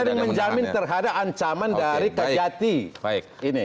asal ada yang menjamin terhadap ancaman dari kegiatin